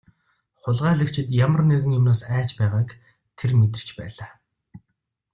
Хулгайлагчид ямар нэгэн юмнаас айж байгааг тэр мэдэрч байлаа.